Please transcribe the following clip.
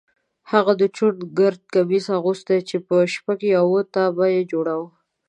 هغه د چوڼ ګرد کمیس اغوست چې په شپږ یا اووه تابه یې جوړاوه.